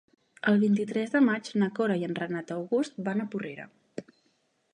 El vint-i-tres de maig na Cora i en Renat August van a Porrera.